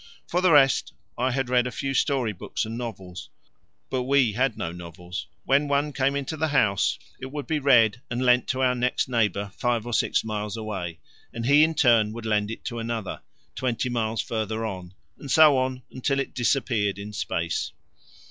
For the rest, I had read a few story books and novels: but we had no novels; when one came into the house it would be read and lent to our next neighbour five or six miles away, and he in turn would lend to another, twenty miles further on, and so on until it disappeared in space.